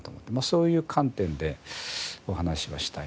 そういう観点でお話はしたいなと思いますね。